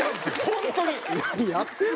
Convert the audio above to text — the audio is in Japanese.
本当に。